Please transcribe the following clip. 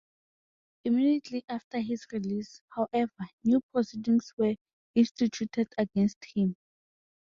Immediately after his release, however, new proceedings were instituted against him.